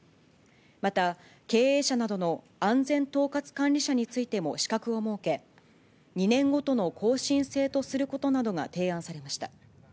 また経営者などの安全統括管理者についても資格を設け、２年ごとの更新制とすることなどが提案されました。